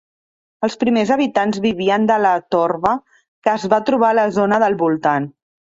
Els primers habitants vivien de la torba que es va trobar a la zona del voltant.